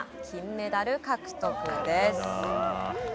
金メダル獲得です。